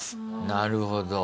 なるほど。